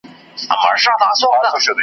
هم مو ځان هم مو ټبر دی په وژلی .